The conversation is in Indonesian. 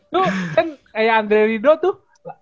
tuh kan kayak andre ridho tuh